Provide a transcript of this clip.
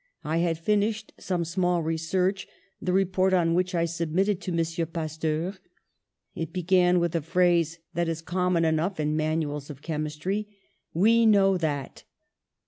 I had finished some small research, the report on which I submitted to M. Pasteur. It began with a phrase that is common enough in manuals of chemistry : 'We know that